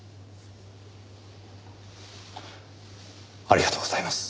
ありがとうございます。